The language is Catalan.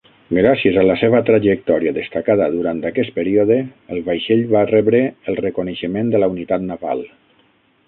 Gràcies a la seva trajectòria destacada durant aquest període, el vaixell va rebre el reconeixement de la Unitat Naval.